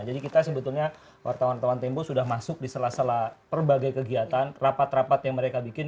jadi kita sebetulnya wartawan teman tempo sudah masuk di sela sela perbagai kegiatan rapat rapat yang mereka bikin